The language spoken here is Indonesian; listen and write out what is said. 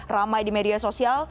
ramai di media sosial